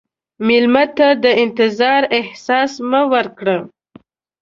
مېلمه ته د انتظار احساس مه ورکړه.